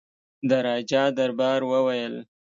د راجا دربار وویل.